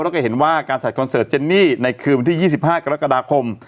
แล้วก็เห็นว่าการใส่คอนเสิร์ตเจนนี่ในคืนวันที่๒๕กรกฎาคม